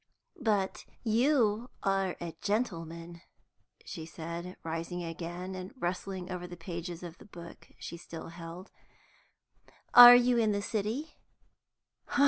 "But you are a gentleman," she said, rising again, and rustling over the pages of the book she still held. "Are you in the city?"